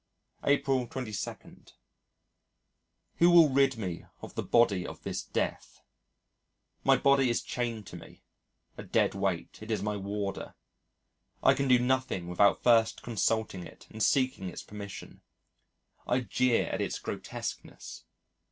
April 22. Who will rid me of the body of this death? My body is chained to me a dead weight. It is my warder. I can do nothing without first consulting it and seeking its permission. I jeer at its grotesqueness.